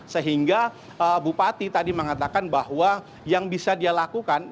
sehingga bupati tadi mengatakan bahwa yang bisa dia lakukan